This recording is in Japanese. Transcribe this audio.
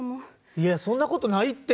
いやそんなことないって！